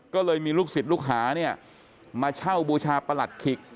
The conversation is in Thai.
ก็เลยมีลูกศิษย์ลูกหาเนี่ยมาเช่าบูชาประหลัดขิก